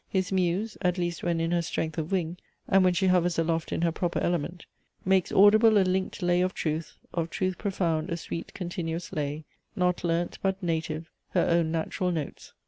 His muse, at least when in her strength of wing, and when she hovers aloft in her proper element, Makes audible a linked lay of truth, Of truth profound a sweet continuous lay, Not learnt, but native, her own natural notes!